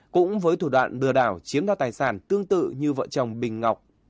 cũng với thủ đoạn lừa đảo chiếm đoạt tài sản tương tự như vợ chồng bình ngọc